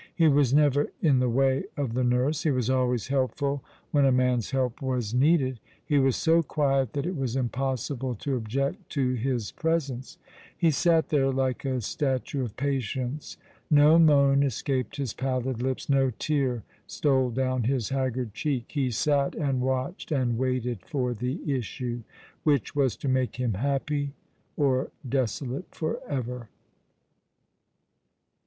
He was never in the way of the 130 All along the River. nurse. He was always helpful wlien a man's help was neecled. He was so quiet that it was impossible to object to his presence. He sat there like a statue of patience. No moan escaped his pallid lips ; no tear stole down his haggard cheek. He sat and watched and waited for the issue, which was to make him happy, or desolate for eyer.